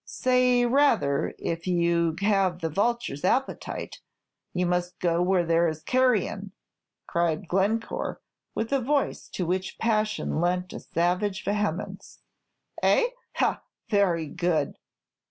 "Say, rather, if you have the vulture's appetite, you must go where there is carrion!" cried Glencore, with a voice to which passion lent a savage vehemence. "Eh? ha! very good!